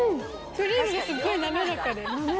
クリームがすっごい滑らかで。